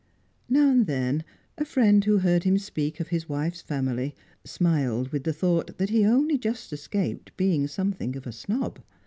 Now and then, a friend who heard him speak of his wife's family smiled with the thought that he only just escaped being something of a snob.